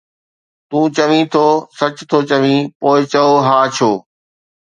تون چوين ٿو، ’سچ ٿو چوين‘، پوءِ چئو، ’ها، ڇو؟